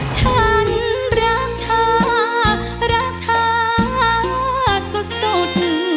ฉันรักเธอรักเธอสุด